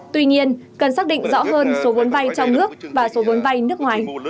tuy nhiên cần xác định rõ hơn số vốn vay trong nước và số vốn vay nước ngoài